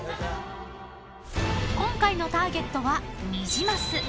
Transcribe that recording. ［今回のターゲットはニジマス］